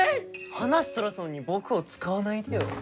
話そらすのに僕を使わないでよ。